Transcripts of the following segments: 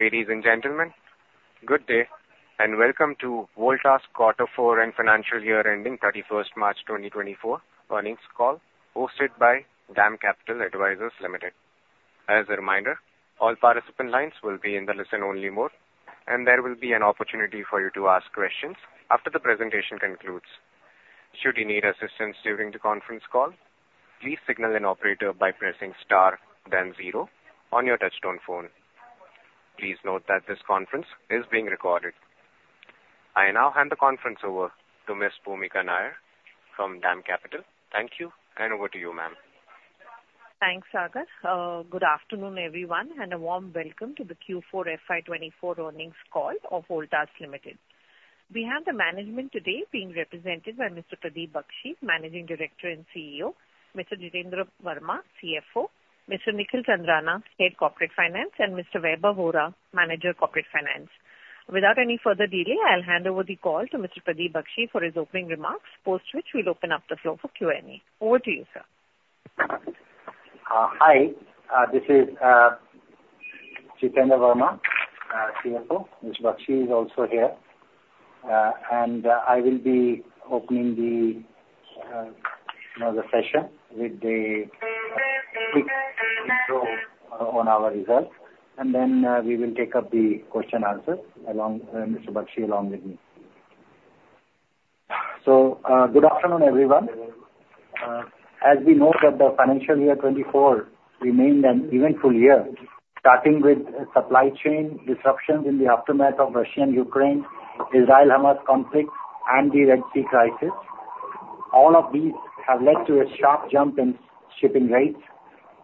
Ladies and gentlemen, good day, and welcome to Voltas Quarter Four and Financial Year Ending March 2024 Earnings Call, hosted by DAM Capital Advisors Limited. As a reminder, all participant lines will be in the listen-only mode, and there will be an opportunity for you to ask questions after the presentation concludes. Should you need assistance during the conference call, please signal an operator by pressing star then zero on your touchtone phone. Please note that this conference is being recorded. I now hand the conference over to Miss Bhumika Nair from DAM Capital. Thank you, and over to you, ma'am. Thanks, Sagar. Good afternoon, everyone, and a warm welcome to the Q4 FY 2024 Earnings Call of Voltas Limited. We have the management today being represented by Mr. Pradeep Bakshi, Managing Director and CEO, Mr. Jitender Verma, CFO, Mr. Nikhil Chandarana, Head Corporate Finance, and Mr. Vaibhav Vohra, Manager Corporate Finance. Without any further delay, I'll hand over the call to Mr. Pradeep Bakshi for his opening remarks, post which we'll open up the floor for Q&A. Over to you, sir. Hi, this is Jitender Verma, CFO. Mr. Bakshi is also here. And, I will be opening the session with the quick intro on our results, and then, we will take up the question and answers along Mr. Bakshi, along with me. So, good afternoon, everyone. As we know that the financial year 2024 remained an eventful year, starting with supply chain disruptions in the aftermath of Russia-Ukraine, Israel-Hamas conflict, and the Red Sea crisis. All of these have led to a sharp jump in shipping rates.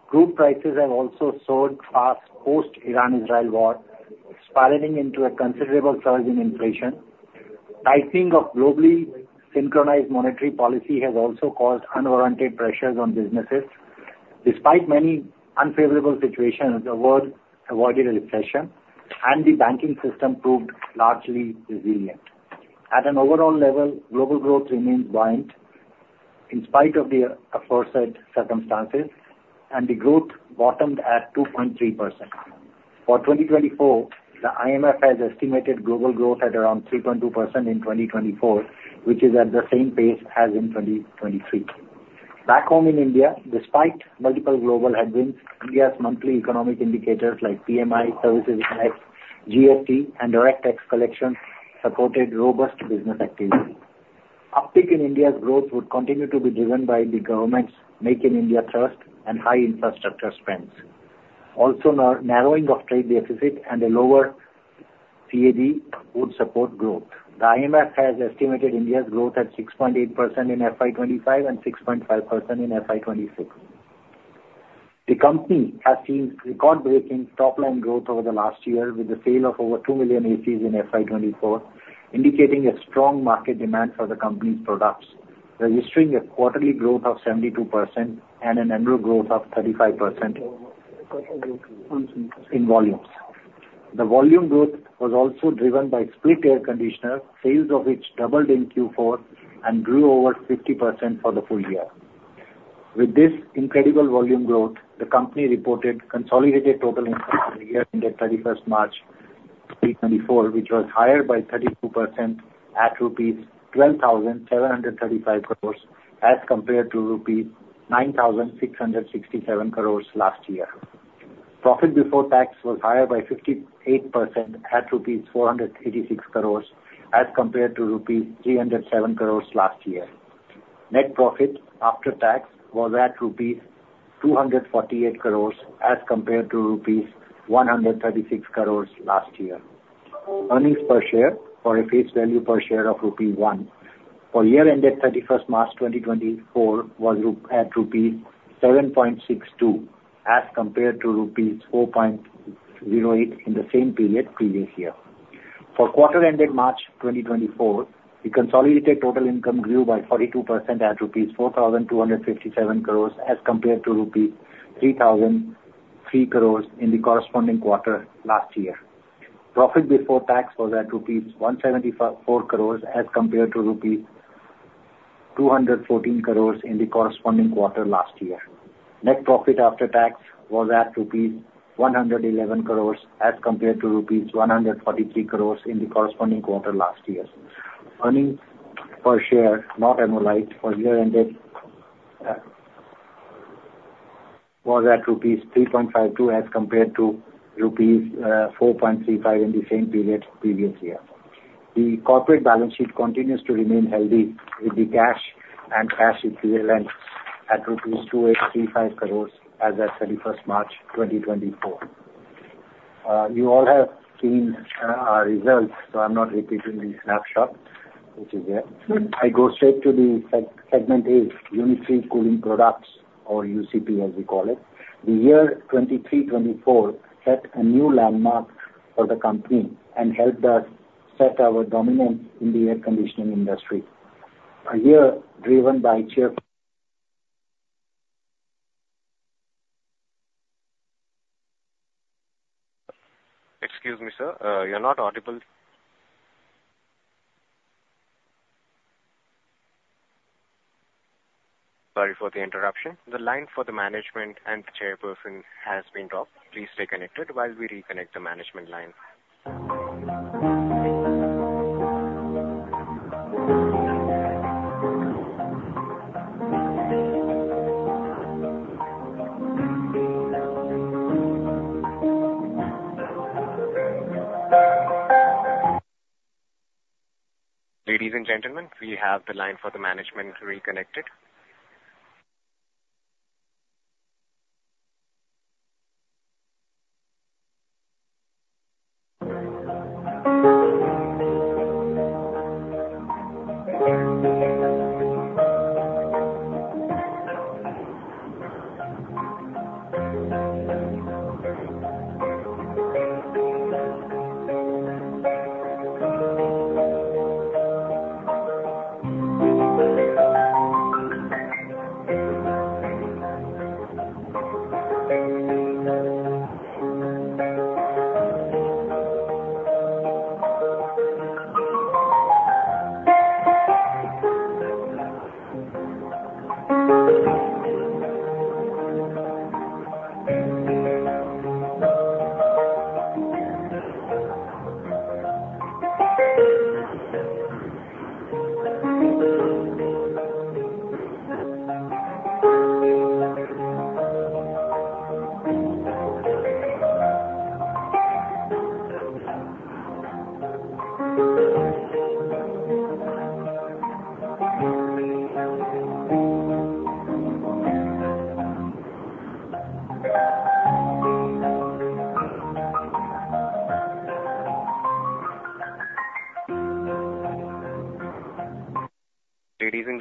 Group prices have also soared fast post Iran-Israel war, spiraling into a considerable surge in inflation. Tightening of globally synchronized monetary policy has also caused unwarranted pressures on businesses. Despite many unfavorable situations, the world avoided a recession, and the banking system proved largely resilient. At an overall level, global growth remains buoyant in spite of the aforesaid circumstances, and the growth bottomed at 2.3%. For 2024, the IMF has estimated global growth at around 3.2% in 2024, which is at the same pace as in 2023. Back home in India, despite multiple global headwinds, India's monthly economic indicators like PMI, services index, GST and direct tax collection, supported robust business activity. Uptick in India's growth would continue to be driven by the government's Make in India thrust and high infrastructure spends. Also, narrowing of trade deficit and a lower CAD would support growth. The IMF has estimated India's growth at 6.8% in FY 2025 and 6.5% in FY 2026. The company has seen record-breaking top line growth over the last year, with the sale of over 2 million ACs in FY 2024, indicating a strong market demand for the company's products, registering a quarterly growth of 72% and an annual growth of 35% in volumes. The volume growth was also driven by split air conditioner, sales of which doubled in Q4 and grew over 50% for the full year. With this incredible volume growth, the company reported consolidated total income for the year ending 31st March 2024, which was higher by 32% at rupees 12,735 crores as compared to rupees 9,667 crores last year. Profit before tax was higher by 58% at rupees 486 crores as compared to rupees 307 crores last year. Net profit after tax was at rupees 248 crores as compared to rupees 136 crores last year. Earnings per share of a face value per share of rupee 1, for year ended thirty-first March 2024 was at rupees 7.62 as compared to rupees 4.08 in the same period previous year. For quarter ending March 2024, the consolidated total income grew by 42% at rupees 4,257 crores as compared to rupees 3,003 crores in the corresponding quarter last year. Profit before tax was at rupees 174 crores as compared to rupees 214 crores in the corresponding quarter last year. Net profit after tax was at rupees 111 crores as compared to rupees 143 crores in the corresponding quarter last year. Earnings per share, not annualized, for year ended, was at rupees 3.52 as compared to rupees 4.35 in the same period previous year. The corporate balance sheet continues to remain healthy, with the cash and cash equivalents at rupees 2,835 crores as at 31 March 2024. You all have seen our results, so I'm not repeating the snapshot, which is there. I go straight to the segment, Unitary Cooling Products, or UCP, as we call it. The year 2023-2024 set a new landmark for the company and helped us set our dominance in the air conditioning industry. A year driven by cheer... Excuse me, sir, you're not audible... Sorry for the interruption. The line for the management and the chairperson has been dropped. Please stay connected while we reconnect the management line. Ladies and gentlemen, we have the line for the management reconnected.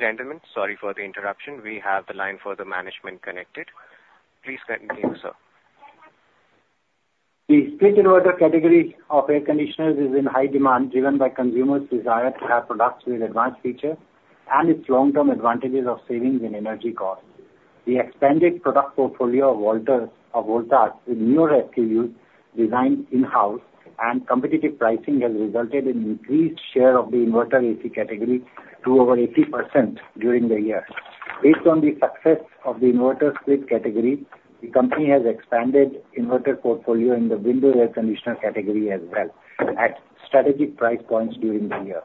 Ladies and gentlemen, sorry for the interruption. We have the line for the management connected. Please go ahead, sir. The split inverter category of air conditioners is in high demand, driven by consumers' desire to have products with advanced features and its long-term advantages of savings in energy costs. The expanded product portfolio of Voltas, with newer ACUs designed in-house and competitive pricing, has resulted in increased share of the inverter AC category to over 80% during the year. Based on the success of the inverter split category, the company has expanded inverter portfolio in the window air conditioner category as well, at strategic price points during the year.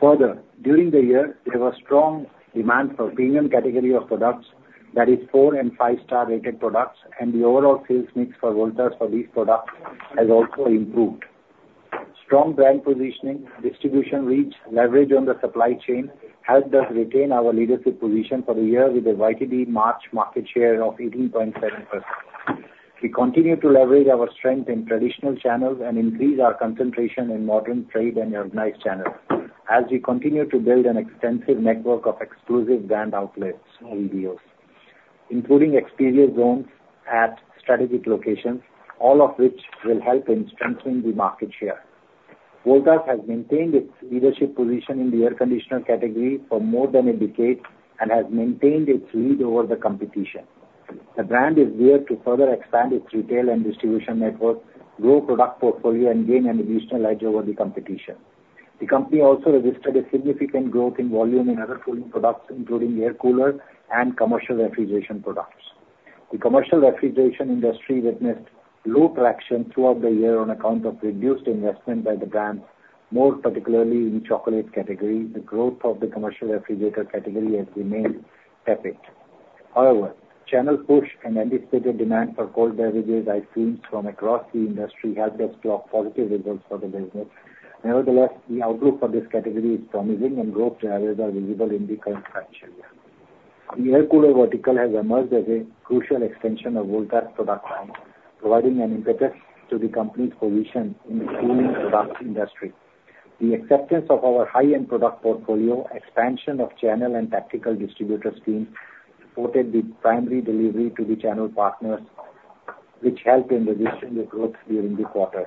Further, during the year, there was strong demand for premium category of products, that is four and five-star rated products, and the overall sales mix for Voltas for these products has also improved. Strong brand positioning, distribution reach, leverage on the supply chain, helped us retain our leadership position for the year with a YTD March market share of 18.7%. We continue to leverage our strength in traditional channels and increase our concentration in modern trade and organized channels, as we continue to build an extensive network of exclusive brand outlets, EBOs, including exterior zones at strategic locations, all of which will help in strengthening the market share. Voltas has maintained its leadership position in the air conditioner category for more than a decade and has maintained its lead over the competition. The brand is geared to further expand its retail and distribution network, grow product portfolio, and gain an additional edge over the competition. The company also registered a significant growth in volume in other cooling products, including air cooler and commercial refrigeration products. The commercial refrigeration industry witnessed low traction throughout the year on account of reduced investment by the brands, more particularly in chocolate category. The growth of the commercial refrigerator category has remained tepid. However, channel push and anticipated demand for cold beverages, ice creams from across the industry helped us clock positive results for the business. Nevertheless, the outlook for this category is promising, and growth drivers are visible in the current financial year. The air cooler vertical has emerged as a crucial extension of Voltas' product line, providing an impetus to the company's position in the cooling product industry. The acceptance of our high-end product portfolio, expansion of channel and tactical distributor scheme, supported the primary delivery to the channel partners, which helped in registering the growth during the quarter.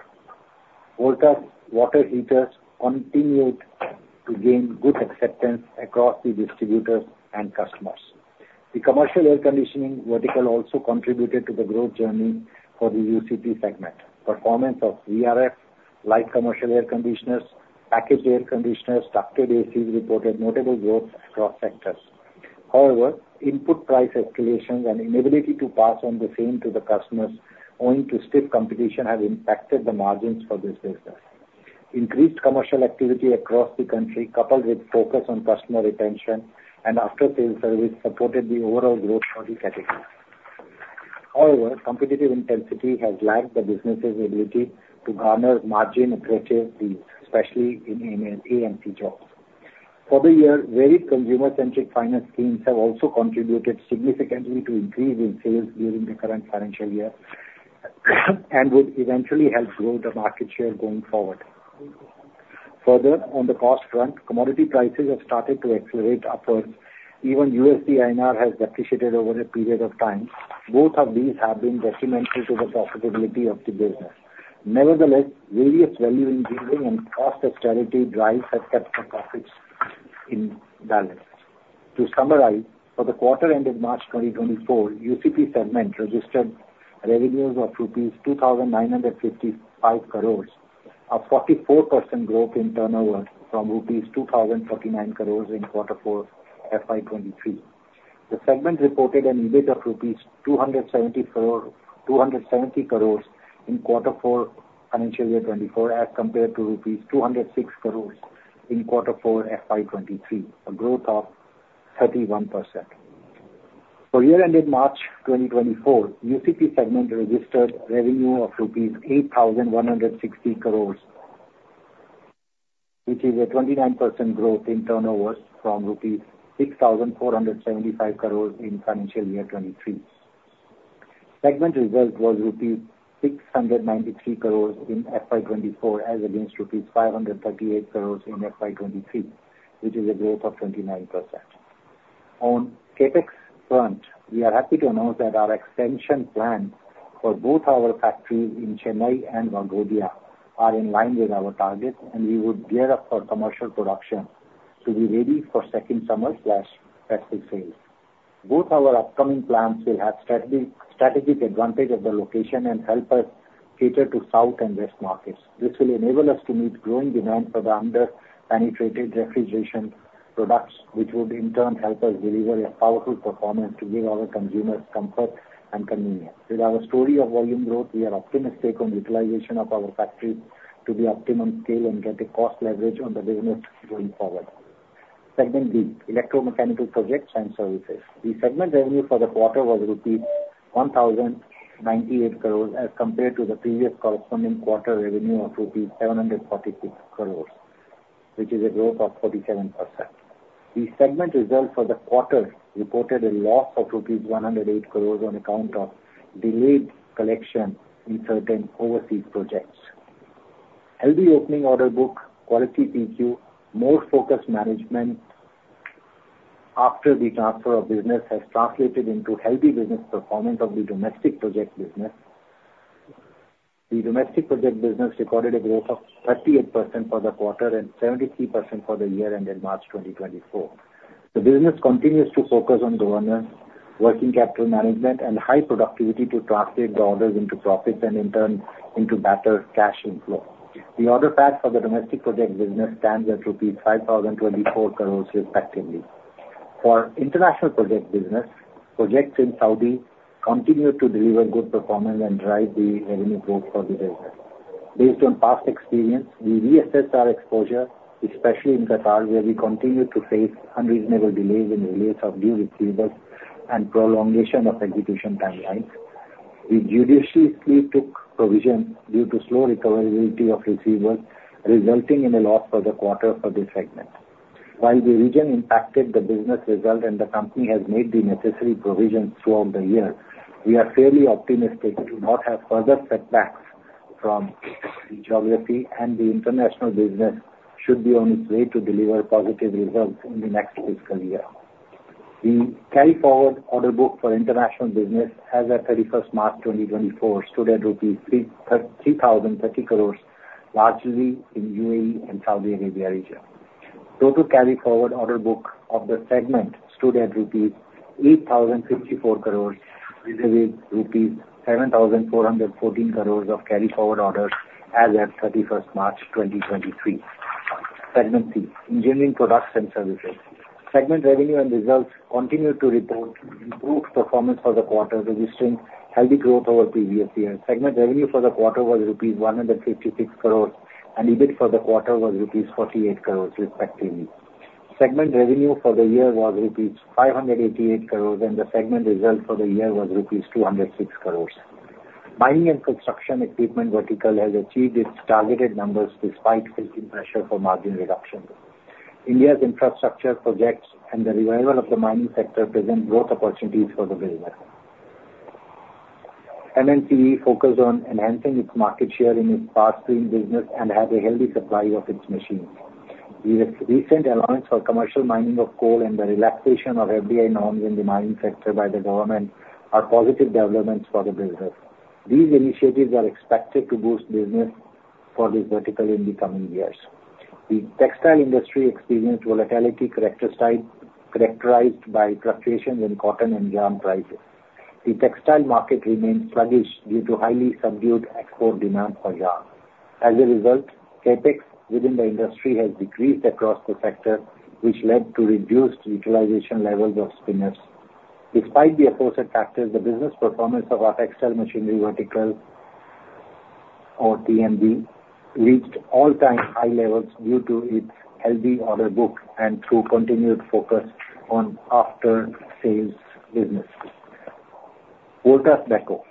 Voltas water heaters continued to gain good acceptance across the distributors and customers. The commercial air conditioning vertical also contributed to the growth journey for the UCP segment. Performance of VRF, light commercial air conditioners, packaged air conditioners, ducted ACs reported notable growth across sectors. However, input price escalations and inability to pass on the same to the customers, owing to stiff competition, have impacted the margins for this sector. Increased commercial activity across the country, coupled with focus on customer retention and after-sales service, supported the overall growth for the category. However, competitive intensity has lagged the business's ability to garner margin-aggressive deals, especially in AMP jobs. For the year, varied consumer-centric finance schemes have also contributed significantly to increase in sales during the current financial year, and would eventually help grow the market share going forward. Further, on the cost front, commodity prices have started to accelerate upwards. Even USD INR has depreciated over a period of time. Both of these have been detrimental to the profitability of the business. Nevertheless, various value engineering and cost austerity drives have kept the profits in balance. To summarize, for the quarter ended March 2024, UCP segment registered revenues of rupees 2,955 crores, a 44% growth in turnover from rupees 2,039 crores in quarter four, FY 2023. The segment reported an EBIT of rupees 270 crores in quarter four, financial year 2024, as compared to rupees 206 crores in quarter four, FY 2023, a growth of 31%. For year ended March 2024, UCP segment registered revenue of rupees 8,160 crores, which is a 29% growth in turnovers from INR 6,475 crores in financial year 2023. Segment result was INR 693 crore in FY 2024, as against 538 crore in FY 2023, which is a growth of 29%. On CapEx front, we are happy to announce that our expansion plan for both our factories in Chennai and Vadodara are in line with our targets, and we would gear up for commercial production to be ready for second summer/festival sales. Both our upcoming plants will have strategic, strategic advantage of the location and help us cater to South and West markets. This will enable us to meet growing demand for the under-penetrated refrigeration products, which would in turn help us deliver a powerful performance to give our consumers comfort and convenience. With our story of volume growth, we are optimistic on utilization of our factories to be optimum scale and get a cost leverage on the business going forward. Segment B, Electromechanical Projects and Services. The segment revenue for the quarter was rupees 1,098 crores, as compared to the previous corresponding quarter revenue of rupees 746 crores, which is a growth of 47%. The segment results for the quarter reported a loss of rupees 108 crores on account of delayed collection in certain overseas projects. Healthy opening order book, quality PQ, more focused management after the transfer of business has translated into healthy business performance of the domestic project business. The domestic project business recorded a growth of 38% for the quarter and 73% for the year ended March 2024. The business continues to focus on governance, working capital management, and high productivity to translate the orders into profits, and in turn, into better cash inflow. The order pack for the domestic project business stands at INR 5,024 crores, respectively. For international project business, projects in Saudi continue to deliver good performance and drive the revenue growth for the business. Based on past experience, we reassessed our exposure, especially in Qatar, where we continue to face unreasonable delays in release of due receivables and prolongation of execution timelines. We judiciously took provision due to slow recoverability of receivables, resulting in a loss for the quarter for this segment. While the region impacted the business result and the company has made the necessary provisions throughout the year, we are fairly optimistic to not have further setbacks from the geography, and the international business should be on its way to deliver positive results in the next fiscal year. The carry-forward order book for international business as at 31 March 2024, stood at rupees 3,030 crores, largely in UAE and Saudi Arabia region. Total carry forward order book of the segment stood at rupees 8,054 crores, with rupees 7,414 crores of carry forward orders as at 31 March 2023. Segment C, Engineering Products and Services. Segment revenue and results continued to report improved performance for the quarter, registering healthy growth over previous years. Segment revenue for the quarter was rupees 156 crores, and EBIT for the quarter was rupees 48 crores, respectively. Segment revenue for the year was rupees 588 crores, and the segment result for the year was rupees 206 crores. Mining and construction equipment vertical has achieved its targeted numbers despite feeling pressure for margin reduction. India's infrastructure projects and the revival of the mining sector present growth opportunities for the business. MNCE focused on enhancing its market share in its fast-growing business and has a healthy supply of its machines. The recent allowance for commercial mining of coal and the relaxation of FDI norms in the mining sector by the government are positive developments for the business. These initiatives are expected to boost business for this vertical in the coming years. The textile industry experienced volatility characterized by fluctuations in cotton and yarn prices. The textile market remains sluggish due to highly subdued export demand for yarn. As a result, CapEx within the industry has decreased across the sector, which led to reduced utilization levels of spinners. Despite the opposite factors, the business performance of our textile machinery vertical, or TMV, reached all-time high levels due to its healthy order book and through continued focus on after-sales business. Voltas Beko.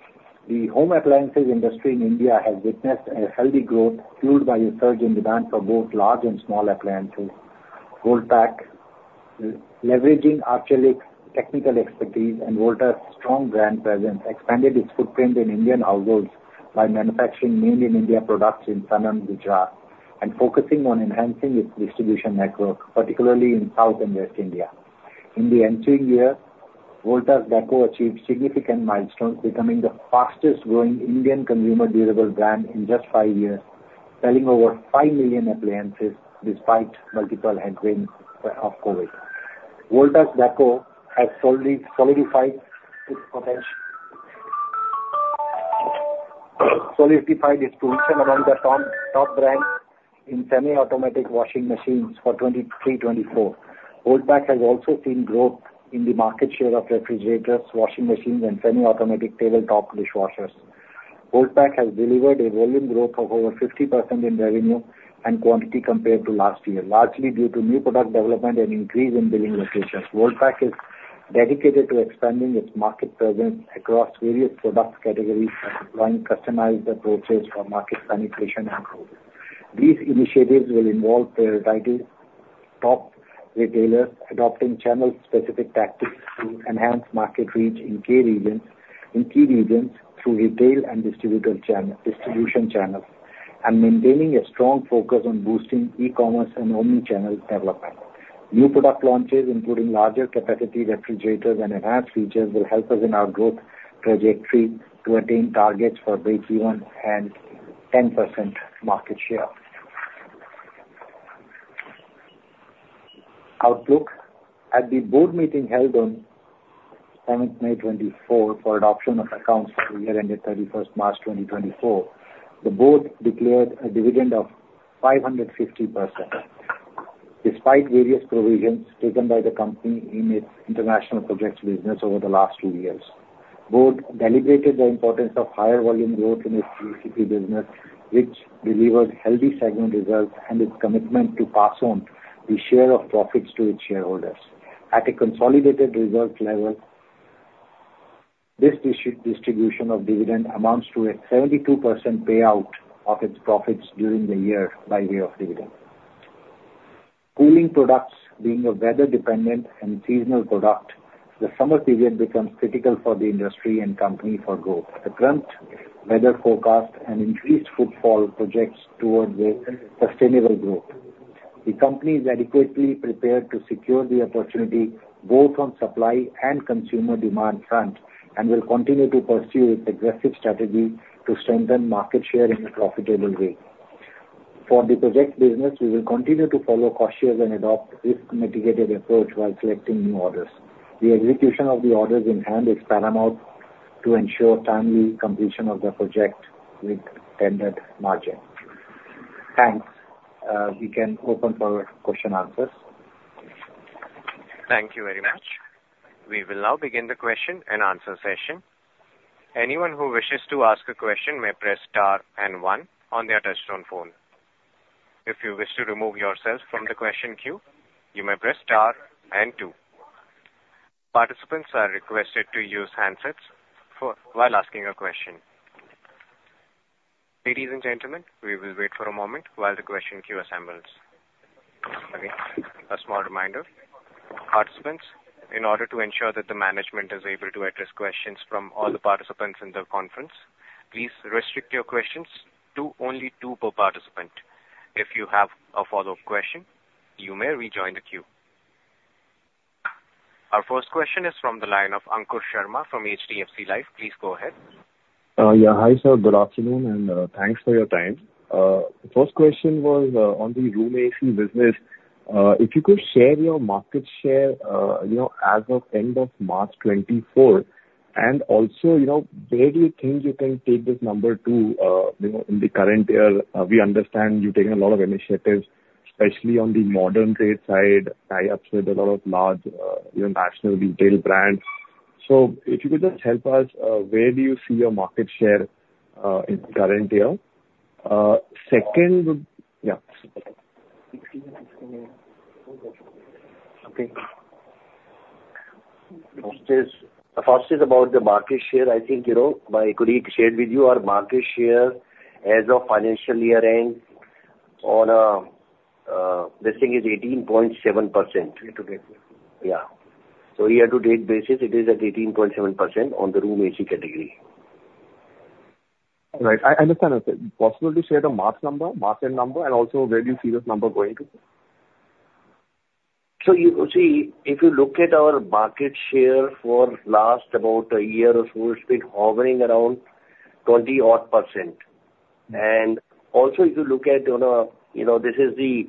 The home appliances industry in India has witnessed a healthy growth, fueled by a surge in demand for both large and small appliances. Voltas, leveraging Arçelik's technical expertise and Voltas' strong brand presence, expanded its footprint in Indian households by manufacturing Made in India products in Sanand, Gujarat, and focusing on enhancing its distribution network, particularly in South and West India. In the ensuing year, Voltas Beko achieved significant milestones, becoming the fastest growing Indian consumer durable brand in just five years, selling over 5 million appliances despite multiple headwinds of COVID. Voltas Beko has solidified its position among the top brands in semiautomatic washing machines for 2023-2024. Beko has also seen growth in the market share of refrigerators, washing machines, and semiautomatic tabletop dishwashers. Voltas Beko has delivered a volume growth of over 50% in revenue and quantity compared to last year, largely due to new product development and increase in billing locations. Voltas Beko is dedicated to expanding its market presence across various product categories and deploying customized approaches for market penetration and growth. These initiatives will involve the right top retailers adopting channel-specific tactics to enhance market reach in key regions, in key regions through retail and distributor channel, distribution channels, and maintaining a strong focus on boosting e-commerce and omni-channel development. New product launches, including larger capacity refrigerators and enhanced features, will help us in our growth trajectory to attain targets for breakeven and 10% market share. Outlook. At the board meeting held on seventh May 2024 for adoption of accounts for the year ended thirty-first March 2024, the board declared a dividend of 550%, despite various provisions taken by the company in its international projects business over the last two years. Board delegated the importance of higher volume growth in its UCP business, which delivered healthy segment results and its commitment to pass on the share of profits to its shareholders. At a consolidated results level, this distribution of dividend amounts to a 72% payout of its profits during the year by way of dividend. Cooling products being a weather dependent and seasonal product, the summer period becomes critical for the industry and company for growth. The current weather forecast and increased footfall projects towards a sustainable growth. The company is adequately prepared to secure the opportunity, both on supply and consumer demand front, and will continue to pursue its aggressive strategy to strengthen market share in a profitable way. For the project business, we will continue to follow cautious and adopt risk-mitigated approach while selecting new orders. The execution of the orders in hand is paramount to ensure timely completion of the project with intended margin. Thanks. We can open for questions and answers. Thank you very much. We will now begin the question and answer session. Anyone who wishes to ask a question may press star and one on their touchtone phone. If you wish to remove yourself from the question queue, you may press star and two. Participants are requested to use handsets while asking a question. Ladies and gentlemen, we will wait for a moment while the question queue assembles. A small reminder: participants, in order to ensure that the management is able to address questions from all the participants in the conference, please restrict your questions to only two per participant. If you have a follow-up question, you may rejoin the queue. Our first question is from the line of Ankur Sharma from HDFC Life. Please go ahead. Yeah. Hi, sir. Good afternoon, and, thanks for your time. The first question was, on the room AC business. If you could share your market share, you know, as of end of March 2024, and also, you know, where do you think you can take this number to, you know, in the current year? We understand you've taken a lot of initiatives, especially on the modern trade side, tie-ups with a lot of large, you know, national retail brands. So if you could just help us, where do you see your market share, in current year? Second, yeah. Okay. The first is, the first is about the market share. I think, you know, my colleague shared with you our market share as of financial year end on, this thing is 18.7%. Yeah. So year-to-date basis, it is at 18.7% on the room AC category. Right. I understand that. Possible to share the market share number, market number, and also where do you see this number going to? So you see, if you look at our market share for last about a year or so, it's been hovering around 20-odd%. And also, if you look at, you know, you know, this is the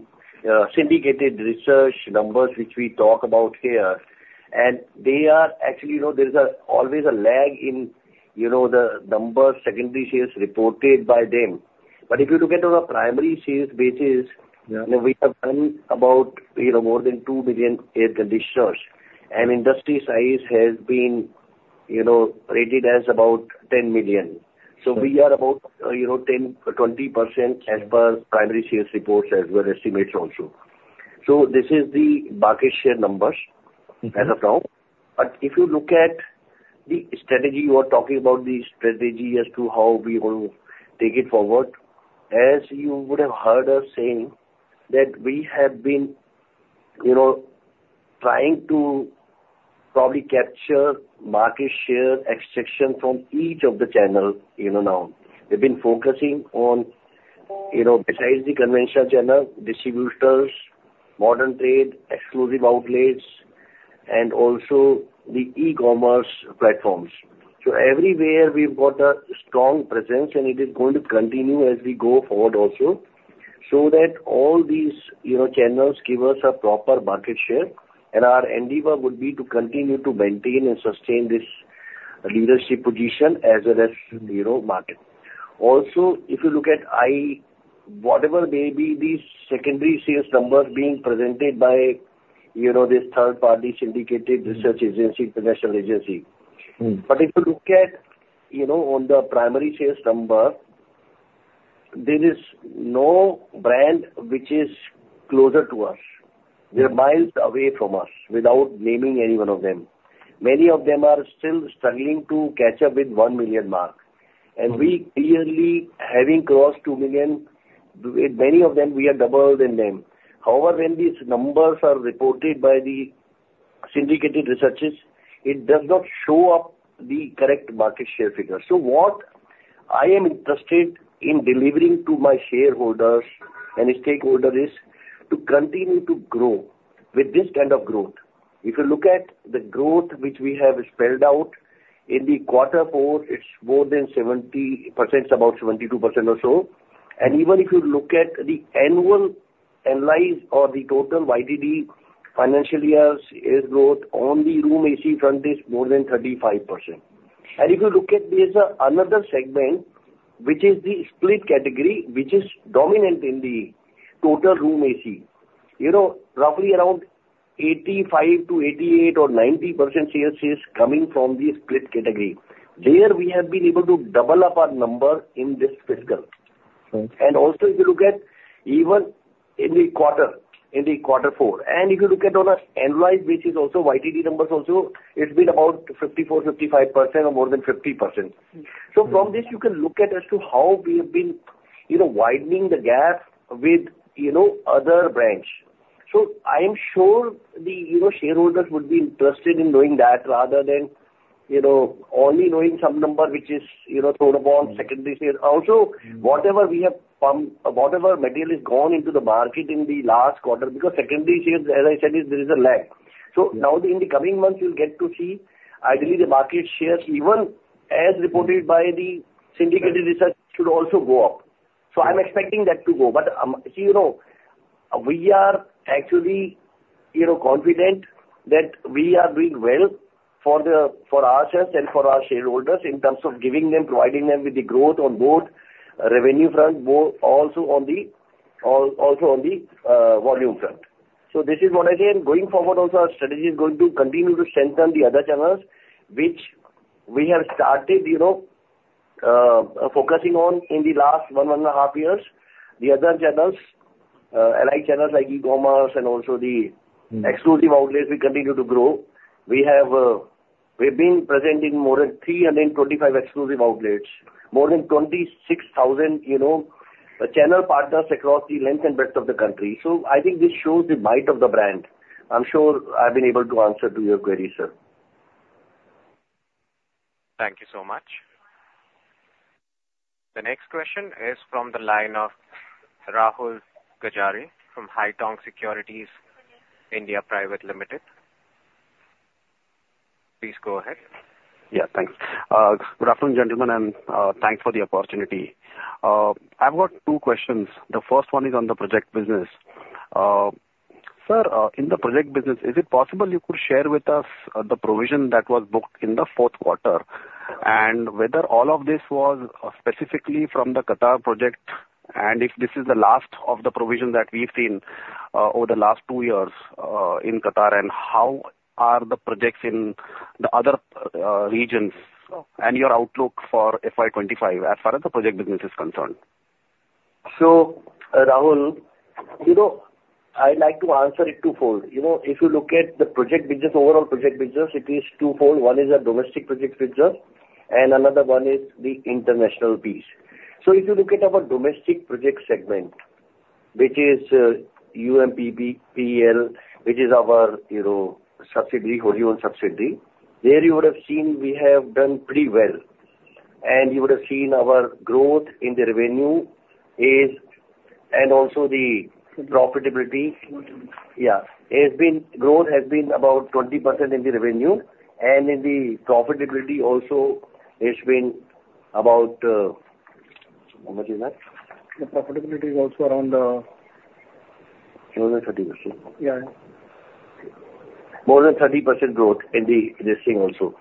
syndicated research numbers which we talk about here, and they are actually, you know, there's always a lag in, you know, the numbers, secondary shares reported by them. But if you look at on a primary shares basis- Yeah. We have done about, you know, more than 2 million air conditioners, and industry size has been, you know, rated as about 10 million. Sure. We are about, you know, 10-20% as per primary sales reports as well estimates also. This is the market share numbers- Mm-hmm. As of now. But if you look at the strategy, you are talking about the strategy as to how we will take it forward, as you would have heard us saying, that we have been, you know, trying to probably capture market share extraction from each of the channel, you know, now. We've been focusing on, you know, besides the conventional channel, distributors, modern trade, exclusive outlets, and also the e-commerce platforms. So everywhere we've got a strong presence, and it is going to continue as we go forward also. ... So that all these, you know, channels give us a proper market share, and our endeavor would be to continue to maintain and sustain this leadership position as well as, you know, market. Also, if you look at whatever may be the secondary sales numbers being presented by, you know, this third party syndicated research agency, professional agency. But if you look at, you know, on the primary sales number, there is no brand which is closer to us. They're miles away from us, without naming any one of them. Many of them are still struggling to catch up with 1 million mark. We clearly, having crossed 2 million, with many of them, we are double than them. However, when these numbers are reported by the syndicated research, it does not show up the correct market share figures. So what I am interested in delivering to my shareholders and stakeholders is, to continue to grow with this kind of growth. If you look at the growth which we have spelled out, in the quarter four, it's more than 70%, about 72% or so. Even if you look at the annual analysis or the total YTD financial year, is growth on the room AC front is more than 35%. If you look, there's another segment, which is the split category, which is dominant in the total room AC. You know, roughly around 85%-88% or 90% sales is coming from the split category. There, we have been able to double up our number in this fiscal. Also, if you look at even in the quarter, in quarter four, and if you look at on an annualized, which is also YTD numbers also, it's been about 54%-55% or more than 50%. So from this, you can look at as to how we have been, you know, widening the gap with, you know, other brands. So I am sure the, you know, shareholders would be interested in knowing that rather than, you know, only knowing some number, which is, you know, thrown upon secondary sales. Also, whatever we have pumped, whatever material is gone into the market in the last quarter, because secondary sales, as I said, there is a lag. So now in the coming months, you'll get to see, ideally, the market shares, even as reported by the syndicated research, should also go up. So I'm expecting that to go. But, you know, we are actually, you know, confident that we are doing well for the, for ourselves and for our shareholders, in terms of giving them, providing them with the growth on both revenue front, also on the, on, also on the, volume front. So this is what, again, going forward also, our strategy is going to continue to strengthen the other channels, which we have started, you know, focusing on in the last one, one and a half years. The other channels, allied channels like e-commerce and also the-... exclusive outlets, we continue to grow. We have, we've been present in more than 325 exclusive outlets, more than 26,000, you know, channel partners across the length and breadth of the country. So I think this shows the might of the brand. I'm sure I've been able to answer to your query, sir. Thank you so much. The next question is from the line of Rahul Gajare from Haitong Securities India Private Limited. Please go ahead. Yeah, thanks. Good afternoon, gentlemen, and thanks for the opportunity. I've got two questions. The first one is on the project business. Sir, in the project business, is it possible you could share with us the provision that was booked in the fourth quarter? And whether all of this was specifically from the Qatar project, and if this is the last of the provision that we've seen over the last two years in Qatar, and how are the projects in the other regions, and your outlook for FY 2025, as far as the project business is concerned? So, Rahul, you know, I'd like to answer it twofold. You know, if you look at the project business, overall project business, it is twofold. One is a domestic project business, and another one is the international piece. So if you look at our domestic project segment, which is UMPESL, which is our, you know, subsidiary, wholly owned subsidiary, there you would have seen we have done pretty well. And you would have seen our growth in the revenue is, and also the profitability. Yeah. It's been, growth has been about 20% in the revenue, and in the profitability also, it's been about... How much is that? The profitability is also around. More than 30%. Yeah. More than 30% growth in the, this thing also.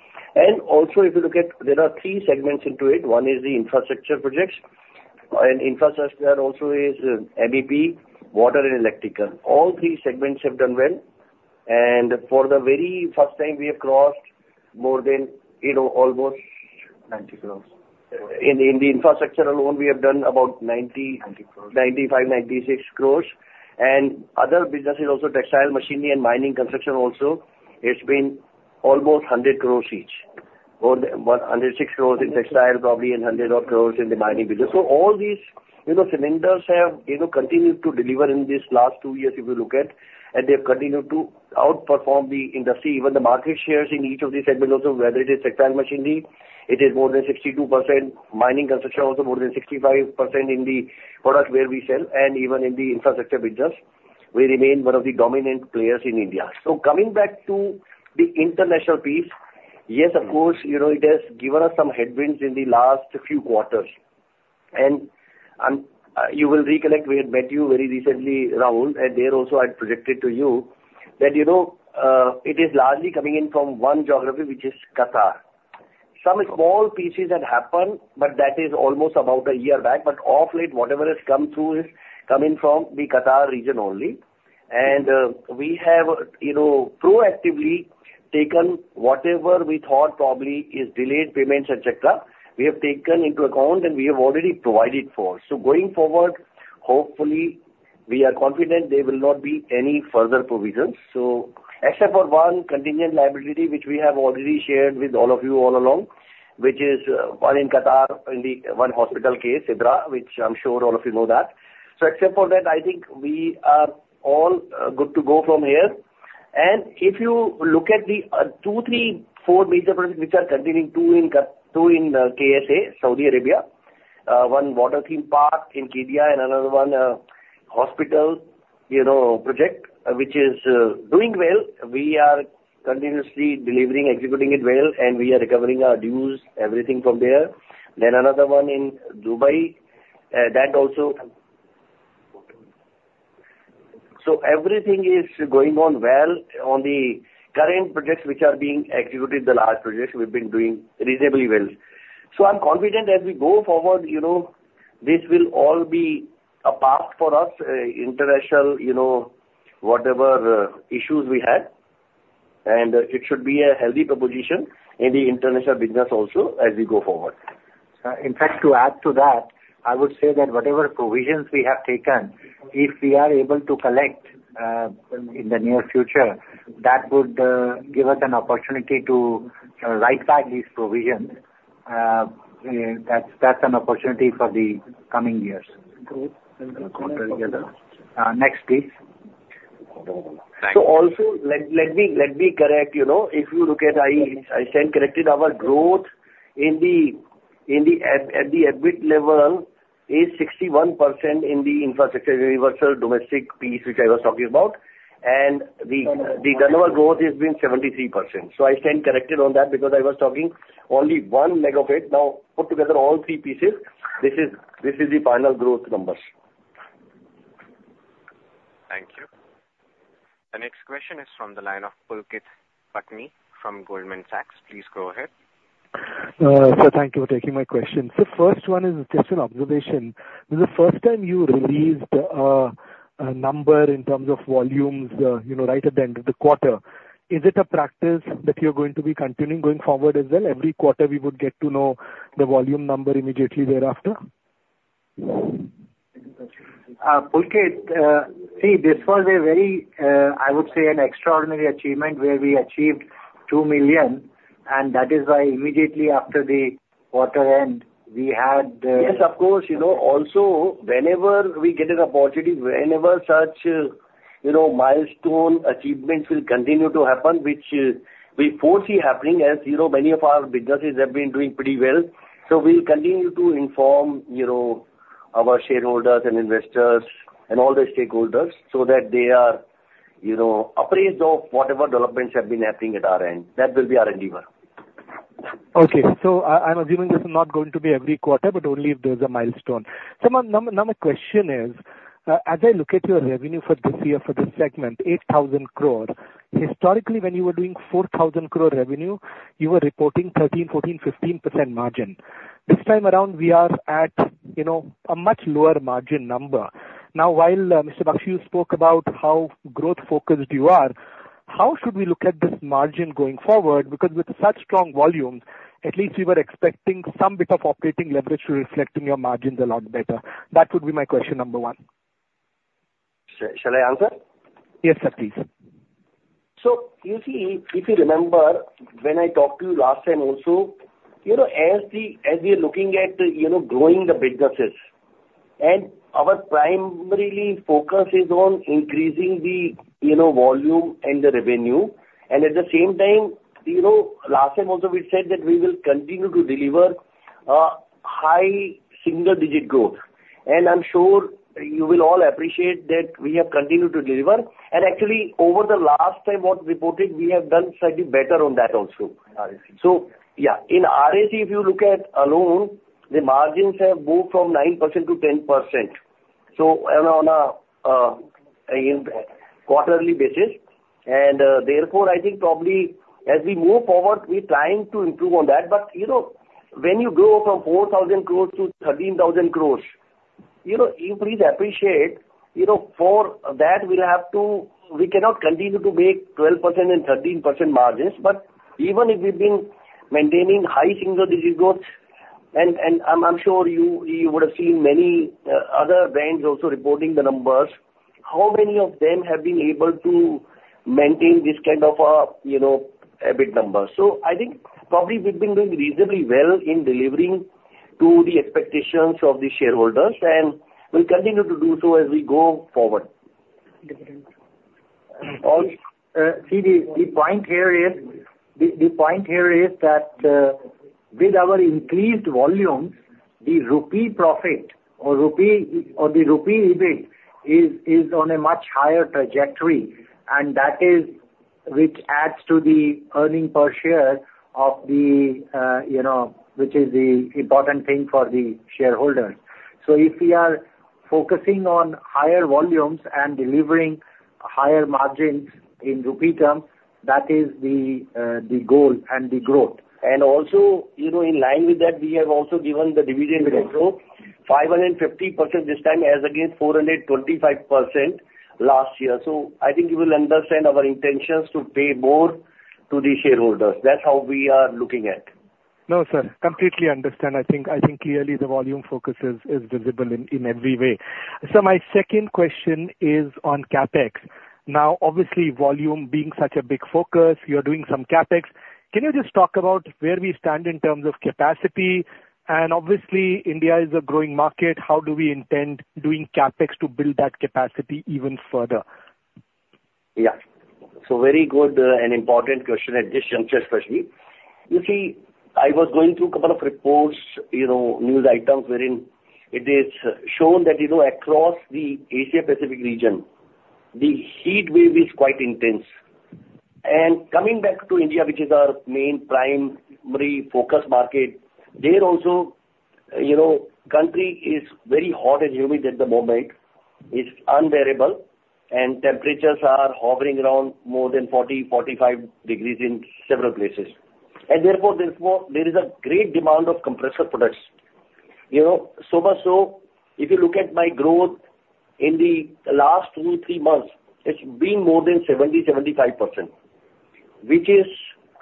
Also, if you look at, there are three segments into it. One is the infrastructure projects, and infrastructure also is MEP, water, and electrical. All three segments have done well, and for the very first time, we have crossed more than, you know, almost- Ninety crores. In the infrastructure alone, we have done about 90-. 90 crores. 96 crore. And other businesses, also textile machinery and mining construction also, it's been almost 100 crore each. Or 106 crore in textile, probably, and 100 crore in the mining business. So all these, you know, cylinders have, you know, continued to deliver in this last two years, if you look at, and they've continued to outperform the industry. Even the market shares in each of these segments, also, whether it is textile machinery, it is more than 62%. Mining construction, also more than 65% in the product where we sell. And even in the infrastructure business, we remain one of the dominant players in India. So coming back to the international piece-... Yes, of course, you know, it has given us some headwinds in the last few quarters. And, you will recollect, we had met you very recently, Rahul, and there also I had predicted to you that, you know, it is largely coming in from one geography, which is Qatar. Some small pieces had happened, but that is almost about a year back. But of late, whatever has come through is coming from the Qatar region only. And, we have, you know, proactively taken whatever we thought probably is delayed payments, et cetera, we have taken into account and we have already provided for. So going forward, hopefully, we are confident there will not be any further provisions. So except for one contingent liability, which we have already shared with all of you all along, which is, one in Qatar, in the one hospital case, Sidra, which I'm sure all of you know that. So except for that, I think we are all good to go from here. And if you look at the two, three, four major projects which are continuing, two in KSA, Saudi Arabia, one water theme park in KSA, and another one hospital, you know, project, which is doing well. We are continuously delivering, executing it well, and we are recovering our dues, everything from there. Then another one in Dubai, that also. So everything is going on well on the current projects which are being executed, the large projects, we've been doing reasonably well. So I'm confident as we go forward, you know, this will all be a path for us international, you know, whatever issues we had, and it should be a healthy proposition in the international business also as we go forward. In fact, to add to that, I would say that whatever provisions we have taken, if we are able to collect in the near future, that would give us an opportunity to write back these provisions. That's, that's an opportunity for the coming years. Next, please. So also, let me correct, you know, if you look at it, I stand corrected, our growth at the EBIT level is 61% in the infrastructure universal domestic piece, which I was talking about, and the turnover growth has been 73%. So I stand corrected on that because I was talking only one megawatt. Now, put together all three pieces, this is the final growth numbers. Thank you. The next question is from the line of Pulkit Patni from Goldman Sachs. Please go ahead. Sir, thank you for taking my question. So first one is just an observation. This is the first time you released a number in terms of volumes, you know, right at the end of the quarter. Is it a practice that you're going to be continuing going forward as well? Every quarter, we would get to know the volume number immediately thereafter? Pulkit, see, this was a very, I would say, an extraordinary achievement, where we achieved 2 million, and that is why immediately after the quarter end, we had, Yes, of course. You know, also, whenever we get an opportunity, whenever such, you know, milestone achievements will continue to happen, which, we foresee happening, as you know, many of our businesses have been doing pretty well. So we'll continue to inform, you know, our shareholders and investors and all the stakeholders so that they are, you know, appraised of whatever developments have been happening at our end. That will be our endeavor. Okay. So I’m assuming this is not going to be every quarter, but only if there’s a milestone. So my—now, my question is, as I look at your revenue for this year, for this segment, 8,000 crore, historically, when you were doing 4,000 crore revenue, you were reporting 13%-15% margin. This time around, we are at, you know, a much lower margin number. Now, while, Mr. Bakshi, you spoke about how growth-focused you are, how should we look at this margin going forward? Because with such strong volumes, at least we were expecting some bit of operating leverage to reflecting your margins a lot better. That would be my question number one. Shall I answer? Yes, sir, please. So you see, if you remember when I talked to you last time also, you know, as we are looking at, you know, growing the businesses, and our primary focus is on increasing the, you know, volume and the revenue. And at the same time, you know, last time also we said that we will continue to deliver a high single digit growth. And I'm sure you will all appreciate that we have continued to deliver. And actually, over the last time what reported, we have done slightly better on that also. RAC. So yeah, in RAC, if you look at alone, the margins have moved from 9% to 10%, so on a quarterly basis. And therefore, I think probably as we move forward, we're trying to improve on that. But, you know, when you grow from 4,000 crore to 13,000 crore, you know, you please appreciate, you know, for that we'll have to... We cannot continue to make 12% and 13% margins. But even if we've been maintaining high single digit growth, and I'm sure you would have seen many other banks also reporting the numbers, how many of them have been able to maintain this kind of a, you know, EBIT number? So I think probably we've been doing reasonably well in delivering to the expectations of the shareholders, and we'll continue to do so as we go forward. See, the point here is that, ... with our increased volumes, the rupee profit or rupee, or the rupee rebate is on a much higher trajectory, and that is, which adds to the earnings per share of the, you know, which is the important thing for the shareholders. So if we are focusing on higher volumes and delivering higher margins in rupee terms, that is the goal and the growth. And also, you know, in line with that, we have also given the dividend growth 550% this time, as against 425% last year. So I think you will understand our intentions to pay more to the shareholders. That's how we are looking at. No, sir. I completely understand. I think clearly the volume focus is visible in every way. So my second question is on CapEx. Now, obviously, volume being such a big focus, you're doing some CapEx. Can you just talk about where we stand in terms of capacity? And obviously, India is a growing market, how do we intend doing CapEx to build that capacity even further? Yeah. So very good and important question at this juncture, especially. You see, I was going through a couple of reports, you know, news items, wherein it is shown that, you know, across the Asia Pacific region, the heat wave is quite intense. And coming back to India, which is our main primary focus market, there also, you know, country is very hot and humid at the moment. It's unbearable, and temperatures are hovering around more than 40, 45 degrees in several places. And therefore, therefore, there is a great demand of compressor products. You know, so much so, if you look at my growth in the last two, three months, it's been more than 70, 75%, which is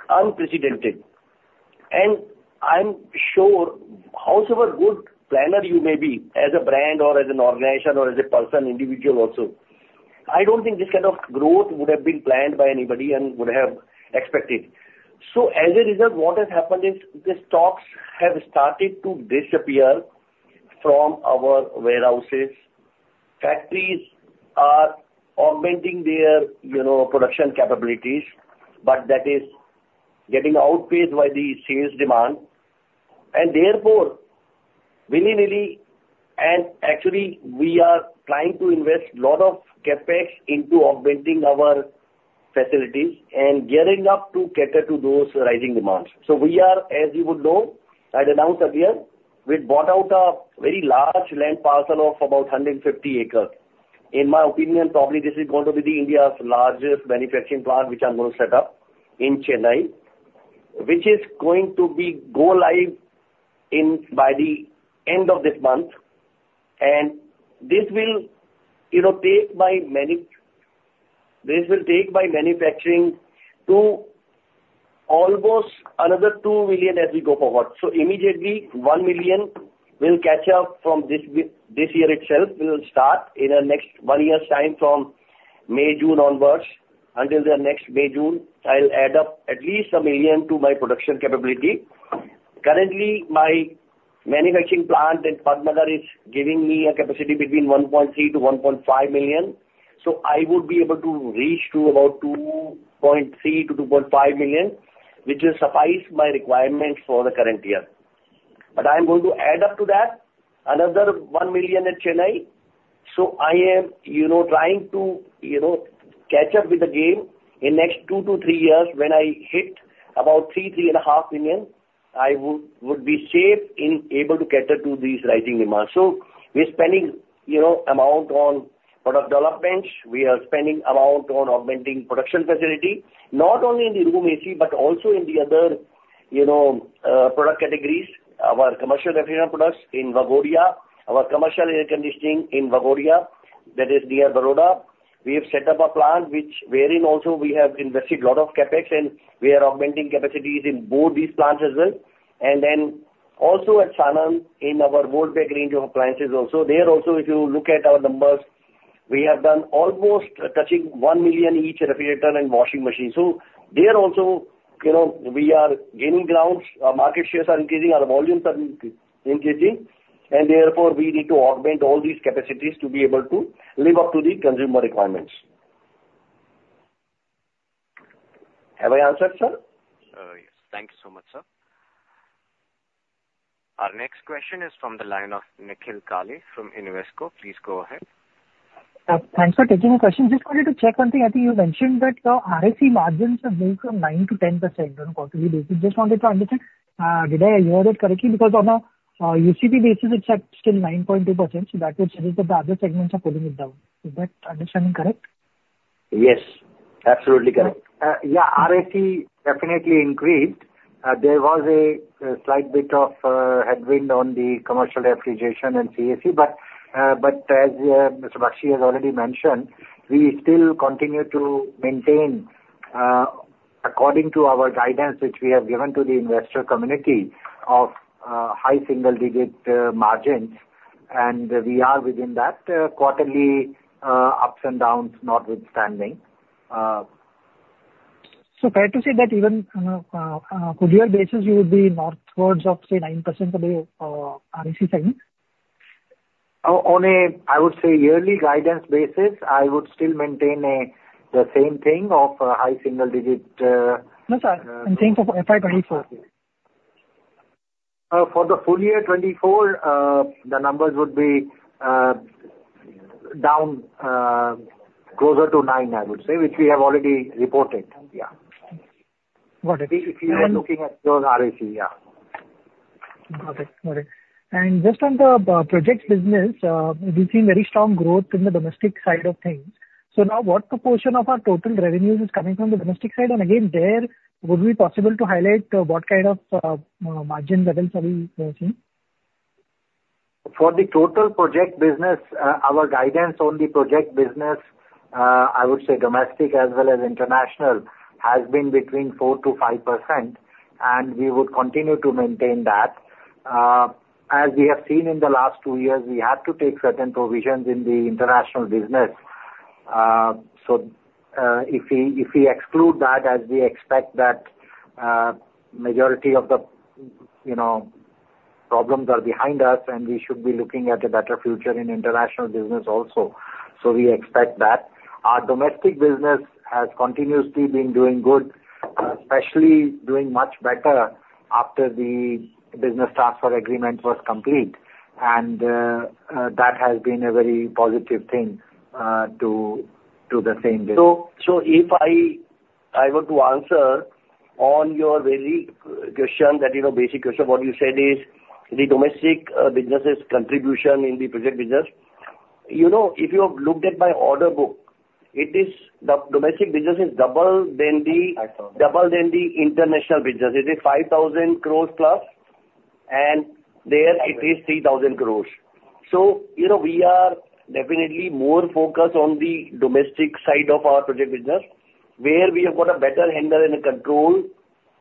unprecedented. I'm sure however good planner you may be, as a brand or as an organization or as a person, individual also, I don't think this kind of growth would have been planned by anybody and would have expected. As a result, what has happened is, the stocks have started to disappear from our warehouses. Factories are augmenting their, you know, production capabilities, but that is getting outpaced by the sales demand. Therefore, willy-nilly, and actually we are trying to invest a lot of CapEx into augmenting our facilities and gearing up to cater to those rising demands. We are, as you would know, I'd announced earlier, we've bought out a very large land parcel of about 150 acres. In my opinion, probably this is going to be India's largest manufacturing plant, which I'm going to set up in Chennai, which is going to go live by the end of this month, and this will, you know, take my manufacturing to almost another 2 million as we go forward. So immediately, 1 million will catch up from this year itself. We will start in the next one year's time, from May, June onwards. Until the next May, June, I'll add up at least 1 million to my production capability. Currently, my manufacturing plant in Panagarh is giving me a capacity between 1.3-1.5 million, so I would be able to reach to about 2.3-2.5 million, which will suffice my requirements for the current year. But I'm going to add up to that another 1 million in Chennai, so I am, you know, trying to, you know, catch up with the game. In next two to three years, when I hit about 3-3.5 million, I would, would be safe and able to cater to these rising demands. So we're spending, you know, amount on product developments. We are spending amount on augmenting production facility, not only in the room AC, but also in the other, you know, product categories, our commercial refrigerator products in Vadodara, our commercial air conditioning in Vadodara, that is near Baroda. We have set up a plant which wherein also we have invested a lot of CapEx, and we are augmenting capacities in both these plants as well. And then also at Sanand, in our Voltas Beko range of appliances also. There also, if you look at our numbers, we have done almost touching 1 million each refrigerator and washing machine. So there also, you know, we are gaining grounds. Our market shares are increasing, our volumes are increasing, and therefore we need to augment all these capacities to be able to live up to the consumer requirements. Have I answered, sir? Yes. Thank you so much, sir. Our next question is from the line of Nikhil Kale from Invesco. Please go ahead. Thanks for taking my question. Just wanted to check one thing. I think you mentioned that the RAC margins have moved from 9%-10% on quarterly basis. Just wanted to understand, did I hear it correctly? Because on a, UCP basis, it's still 9.2%, so that means that the other segments are pulling it down. Is that understanding correct? Yes, absolutely correct. Yeah, RAC definitely increased. There was a slight bit of headwind on the commercial refrigeration and CAC, but as Mr. Bakshi has already mentioned, we still continue to maintain, according to our guidance, which we have given to the investor community of high single digit margins, and we are within that, quarterly ups and downs notwithstanding. So fair to say that even on a full year basis, you would be northwards of, say, 9% for the RAC segment?... On a yearly guidance basis, I would still maintain the same thing of a high single digit- No, sir, in terms of FY 2024. For the full year 2024, the numbers would be down closer to 9, I would say, which we have already reported. Yeah. Got it. If you are looking at those RAC, yeah. Got it. Got it. And just on the projects business, we've seen very strong growth in the domestic side of things. So now what proportion of our total revenues is coming from the domestic side? And again, there, would it be possible to highlight what kind of margin levels are we seeing? For the total project business, our guidance on the project business, I would say domestic as well as international, has been between 4%-5%, and we would continue to maintain that. As we have seen in the last two years, we had to take certain provisions in the international business. So, if we, if we exclude that, as we expect that, majority of the, you know, problems are behind us, and we should be looking at a better future in international business also. So we expect that. Our domestic business has continuously been doing good, especially doing much better after the business transfer agreement was complete, and, that has been a very positive thing, to, to the same business. So, if I were to answer on your very question, that, you know, basic question, what you said is the domestic business' contribution in the project business. You know, if you have looked at my order book, it is, the domestic business is double than the- I saw. Double than the international business. It is 5,000 crores plus, and there it is 3,000 crores. So, you know, we are definitely more focused on the domestic side of our project business, where we have got a better handle and a control,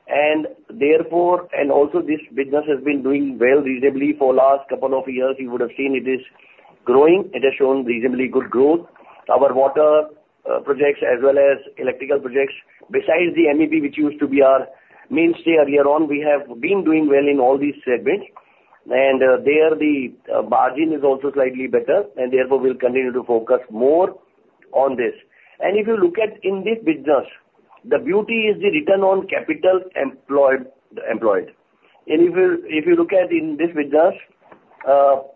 and therefore, and also this business has been doing well reasonably for last couple of years. You would have seen it is growing. It has shown reasonably good growth. Our water projects as well as electrical projects, besides the MEP, which used to be our mainstay earlier on, we have been doing well in all these segments. And there, the margin is also slightly better, and therefore, we'll continue to focus more on this. And if you look at in this business, the beauty is the return on capital employed. If you look at, in this business,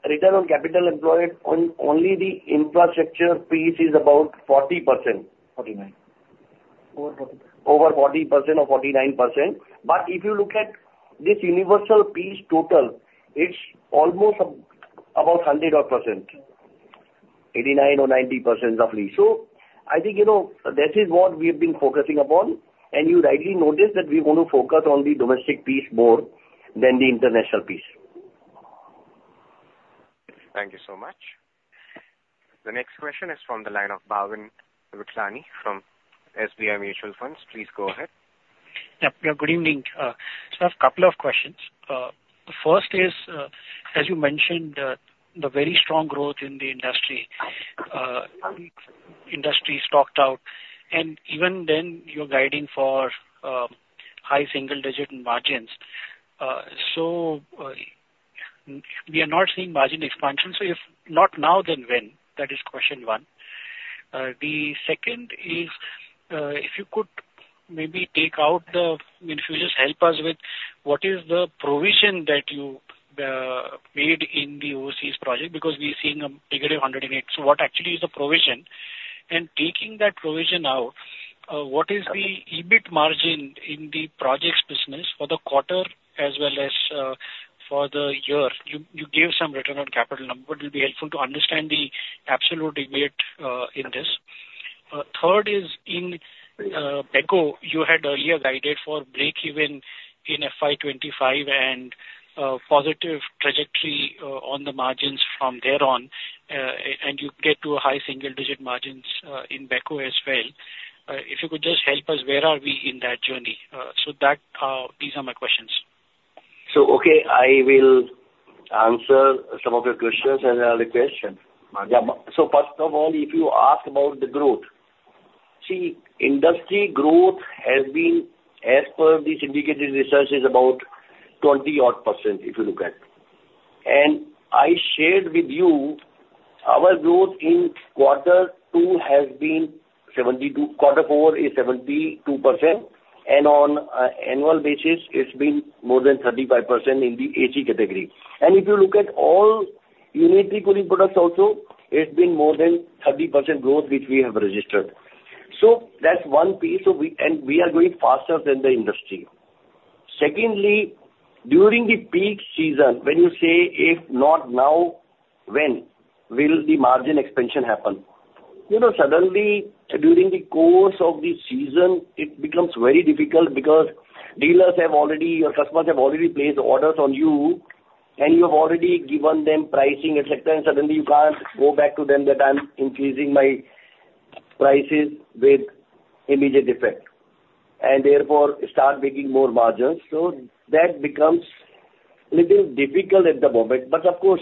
return on capital employed on only the infrastructure piece is about 40%. 49. Over 40. Over 40% or 49%. But if you look at this universal piece total, it's almost about 100 odd %, 89% or 90% roughly. So I think, you know, that is what we have been focusing upon, and you rightly noticed that we want to focus on the domestic piece more than the international piece. Thank you so much. The next question is from the line of Bhavin Vithlani from SBI Mutual Funds. Please go ahead. Yeah. Good evening. So I have a couple of questions. The first is, as you mentioned, the very strong growth in the industry, industry stocked out, and even then, you're guiding for high single digit margins. So we are not seeing margin expansion. So if not now, then when? That is question one. The second is, if you could maybe take out the... I mean, if you just help us with what is the provision that you made in the overseas project, because we're seeing a figure of 100 in it. So what actually is the provision? And taking that provision out, what is the EBIT margin in the projects business for the quarter as well as for the year? You gave some return on capital number. It will be helpful to understand the absolute EBIT in this. Third is in Beko, you had earlier guided for breakeven in FY 2025 and positive trajectory on the margins from there on, and you get to a high single digit margins in Beko as well. If you could just help us, where are we in that journey? So that, these are my questions. So, okay, I will answer some of your questions. Yeah. So first of all, if you ask about the growth, see, industry growth has been as per the syndicated research, is about 20-odd%, if you look at. And I shared with you our growth in quarter two has been 72, quarter four is 72%, and on annual basis, it's been more than 35% in the AC category. And if you look at all unitary cooling products also, it's been more than 30% growth, which we have registered. So that's one piece. And we are growing faster than the industry. Secondly, during the peak season, when you say, "If not now, when will the margin expansion happen?" You know, suddenly, during the course of the season, it becomes very difficult because dealers have already or customers have already placed orders on you, and you have already given them pricing, et cetera, and suddenly you can't go back to them that I'm increasing my prices with immediate effect, and therefore start making more margins. So that becomes a little difficult at the moment. But of course,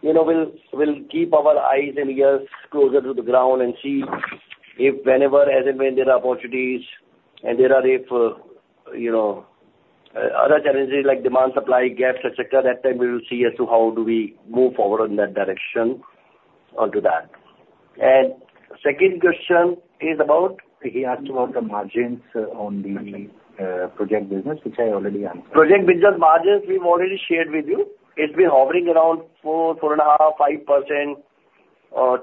you know, we'll, we'll keep our eyes and ears closer to the ground and see if whenever, as and when there are opportunities and there are, if, you know- other challenges like demand, supply, gaps, et cetera, that time we will see as to how do we move forward on that direction onto that. And second question is about? He asked about the margins on the project business, which I already answered. Project business margins, we've already shared with you. It's been hovering around 4, 4.5, 5%,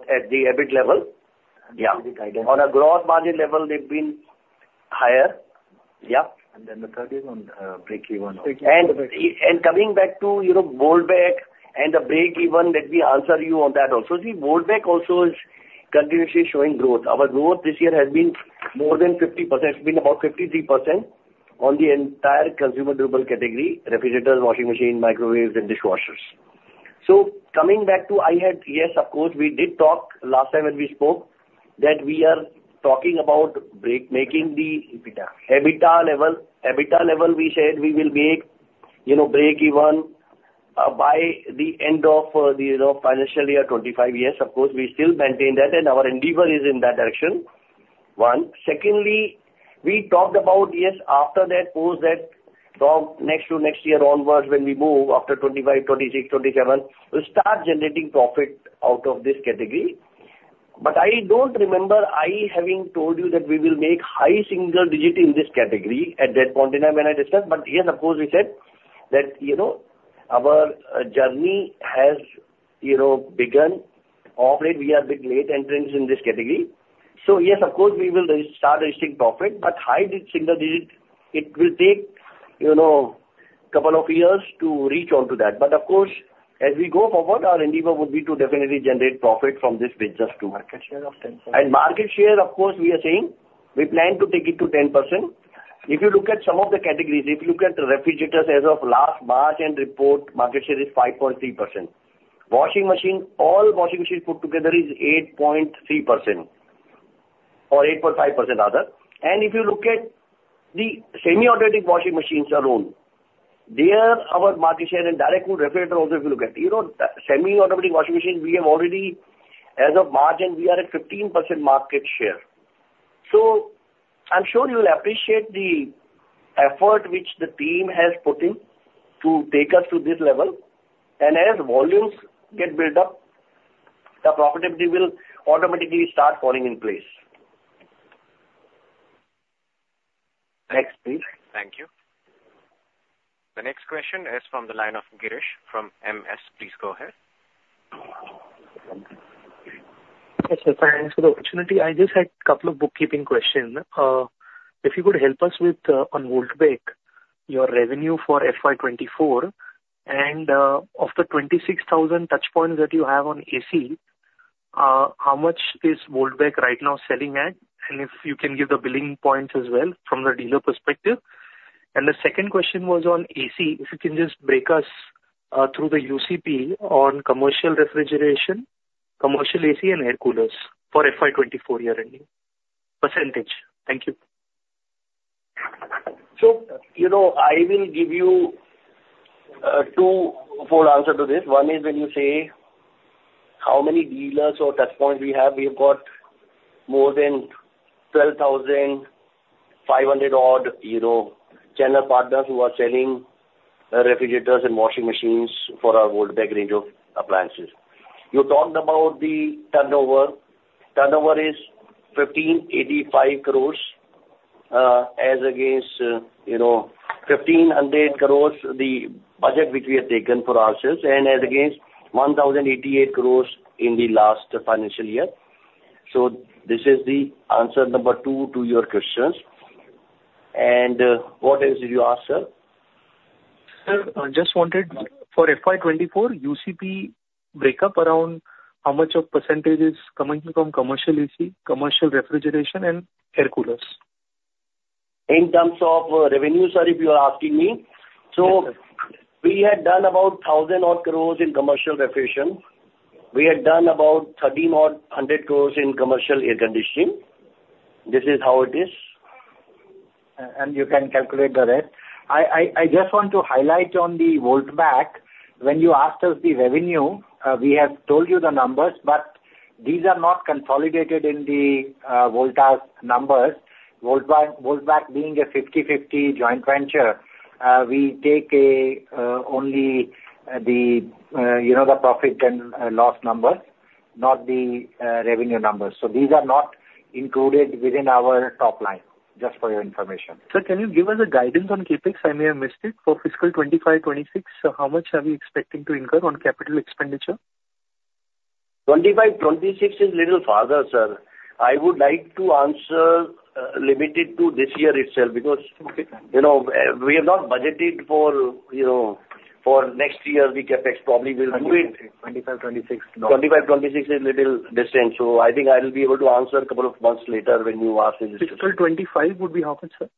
at the EBIT level. Yeah. The EBIT guidance. On a gross margin level, they've been higher. Yeah. And then the third is on breakeven. And coming back to, you know, Voltas Beko and the breakeven, let me answer you on that also. See, Voltas Beko also is continuously showing growth. Our growth this year has been more than 50%. It's been about 53% on the entire consumer durable category, refrigerators, washing machine, microwaves, and dishwashers. So coming back to I had-- Yes, of course, we did talk last time when we spoke, that we are talking about break, making the- EBITDA. EBITDA level. EBITDA level, we said we will make, you know, breakeven by the end of the, you know, financial year 2025. Yes, of course, we still maintain that, and our endeavor is in that direction, one. Secondly, we talked about, yes, after that, post that, from next to next year onwards, when we move after 2025, 2026, 2027, we'll start generating profit out of this category. But I don't remember I having told you that we will make high single digit in this category at that point in time when I discussed. But yes, of course, we said that, you know, our journey has, you know, begun. Obviously, we are a bit late entrants in this category. So yes, of course, we will start reaching profit, but high single digit, it will take, you know, couple of years to reach onto that. Of course, as we go forward, our endeavor would be to definitely generate profit from this business, too. Market share of 10%. Market share, of course, we are saying we plan to take it to 10%. If you look at some of the categories, if you look at the refrigerators as of last March-end report, market share is 5.3%. Washing machine, all washing machines put together is 8.3%, or 8.5%, rather. And if you look at the semi-automatic washing machines alone, there, our market share and direct cool refrigerator also, if you look at, you know, the semi-automatic washing machine, we have already, as of March end, we are at 15% market share. So I'm sure you'll appreciate the effort which the team has put in to take us to this level. And as volumes get built up, the profitability will automatically start falling in place. Next, please. Thank you. The next question is from the line of Girish from MS. Please go ahead. Yes, sir, thanks for the opportunity. I just had a couple of bookkeeping questions. If you could help us with on Voltas Beko, your revenue for FY 2024, and of the 26,000 touchpoints that you have on AC, how much is Voltas Beko right now selling at? And if you can give the billing points as well from the dealer perspective. And the second question was on AC: If you can just break us through the UCP on commercial refrigeration, commercial AC, and air coolers for FY 2024 year-ending. Percentage. Thank you. So, you know, I will give you, two-fold answer to this. One is when you say, how many dealers or touchpoints we have, we have got more than 12,500 odd, you know, channel partners who are selling, refrigerators and washing machines for our Voltas Beko range of appliances. You talked about the turnover. Turnover is 1,585 crores, as against, you know, 1,500 crores, the budget which we have taken for ourselves, and as against 1,088 crores in the last financial year. So this is the answer number two to your questions. And, what else did you ask, sir? Sir, I just wanted, for FY 2024, UCP break up around how much of percentage is coming from commercial AC, commercial refrigeration, and air coolers? In terms of revenue, sir, if you are asking me- Yes, sir. So we had done about 1,000-odd crore in commercial refrigeration. We had done about 3,000-odd crore in commercial air conditioning. This is how it is, and you can calculate the rest. I just want to highlight on the Voltas Beko, when you asked us the revenue, we have told you the numbers, but these are not consolidated in the Voltas numbers. Voltas Beko being a 50/50 joint venture, we take only the you know the profit and loss numbers, not the revenue numbers. So these are not included within our top line, just for your information. Sir, can you give us a guidance on CapEx? I may have missed it. For fiscal 2025, 2026, how much are we expecting to incur on capital expenditure? 2025, 2026 is little farther, sir. I would like to answer, limited to this year itself, because- Okay. You know, we have not budgeted for, you know, for next year, the CapEx. Probably we'll do it- 2025, 2026. 2025, 2026 is a little distant, so I think I'll be able to answer a couple of months later when you ask me this question. Fiscal 2025 would be how much, sir?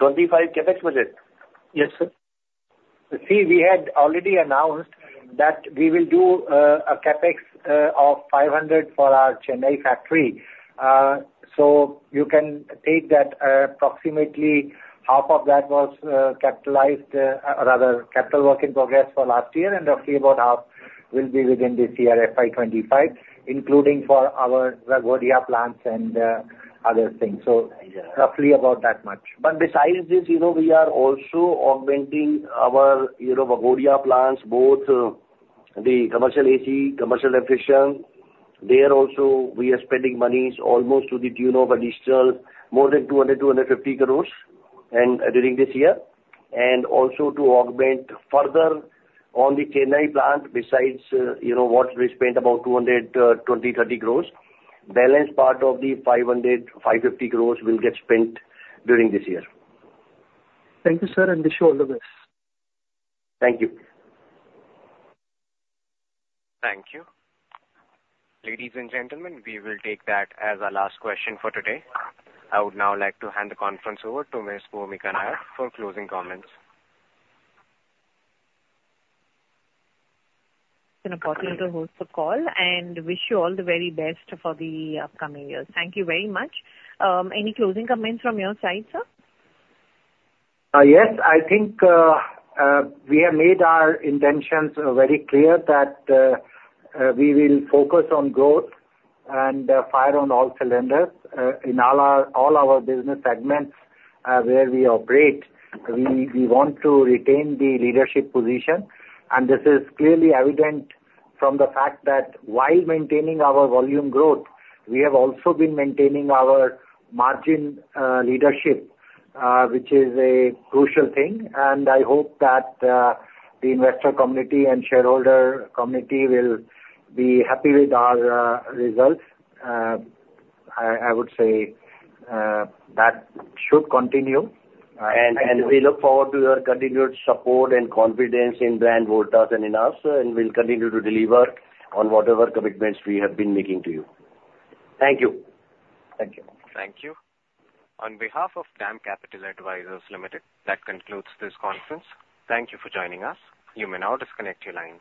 25 CapEx budget? Yes, sir. See, we had already announced that we will do a CapEx of 500 for our Chennai factory. So you can take that, approximately half of that was capitalized, or rather capital work in progress for last year, and roughly about half will be within this year, FY 2025, including for our Vadodara plants and other things. So roughly about that much. But besides this, you know, we are also augmenting our, you know, Vadodara plants, both... ...The commercial AC, commercial refrigeration, there also we are spending monies almost to the tune of additional more than 200-250 crores, and during this year, and also to augment further on the Chennai plant, besides, you know, what we spent about 200, 20-30 crores. Balance part of the 500-550 crores will get spent during this year. Thank you, sir, and wish you all the best. Thank you. Thank you. Ladies and gentlemen, we will take that as our last question for today. I would now like to hand the conference over to Ms. Bhumika Nair for closing comments. It's important to host the call and wish you all the very best for the upcoming years. Thank you very much. Any closing comments from your side, sir? Yes, I think we have made our intentions very clear that we will focus on growth and fire on all cylinders in all our business segments where we operate. We want to retain the leadership position, and this is clearly evident from the fact that while maintaining our volume growth, we have also been maintaining our margin leadership, which is a crucial thing. I hope that the investor community and shareholder community will be happy with our results. I would say that should continue, and we look forward to your continued support and confidence in Brand Voltas and in us, and we'll continue to deliver on whatever commitments we have been making to you. Thank you. Thank you. Thank you. On behalf of DAM Capital Advisors Limited, that concludes this conference. Thank you for joining us. You may now disconnect your lines.